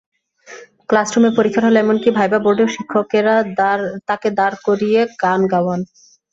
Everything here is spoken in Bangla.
ক্লাসরুমে, পরীক্ষার হলে, এমনকি ভাইভা বোর্ডেও শিক্ষকেরা তাঁকে দাঁড় করিয়ে গান গাওয়ান।